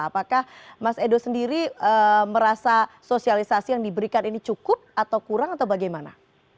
apakah mas edo sendiri merasa sosialisasi yang diberikan ini cukup atau kurang atau bagaimana